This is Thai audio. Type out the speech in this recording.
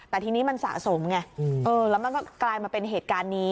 แต่ทีนี้มันสะสมไงแล้วมันก็กลายมาเป็นเหตุการณ์นี้